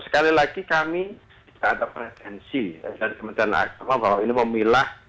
sekali lagi kami ada pretensi dari kementerian agama bahwa ini memilah